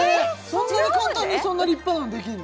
そんな簡単にそんな立派なのできるの？